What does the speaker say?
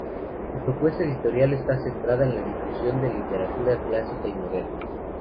Su propuesta editorial está centrada en la difusión de literatura clásica y moderna.